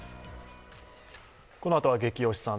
このあとは「ゲキ推しさん」